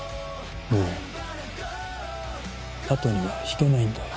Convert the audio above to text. もうあとには引けないんだよ。